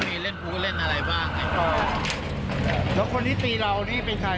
มีเล่นบู้เล่นอะไรบ้างแล้วก็แล้วคนที่ตีเรานี่เป็นใคร